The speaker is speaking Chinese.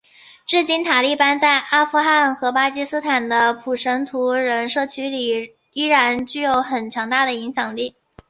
至今塔利班在阿富汗和巴基斯坦的普什图人社区里依旧拥有很强大的影响力。